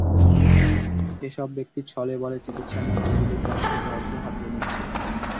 এসব ব্যক্তি ছলেবলে চিকিৎসার নামে রোগীদের কাছ থেকে অর্থ হাতিয়ে নিচ্ছেন।